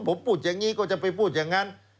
ผมพูดอย่างนี้ก็จะไปพูดอย่างนั้น